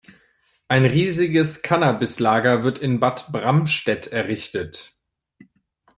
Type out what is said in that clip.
Ein riesiges Cannabis-Lager wird in Bad Bramstedt errichtet.